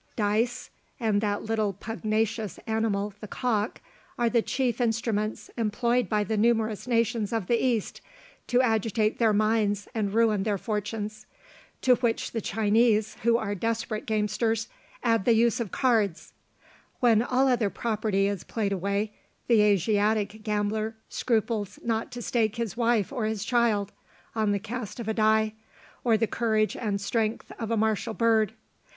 Dice, and that little pugnacious animal the cock, are the chief instruments employed by the numerous nations of the East, to agitate their minds and ruin their fortunes; to which the Chinese, who are desperate gamesters, add the use of cards. When all other property is played away, the Asiatic gambler scruples not to stake his wife or his child, on the cast of a die, or the courage and strength of a martial bird.